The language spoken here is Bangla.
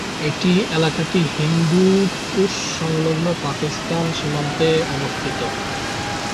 এই এলাকাটি হিন্দুকুশ সংলগ্ন পাকিস্তান সীমান্তে অবস্থিত।